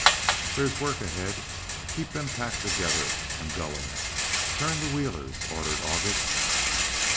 "There's work ahead. Keep them packed and going. Turn the wheelers," ordered August.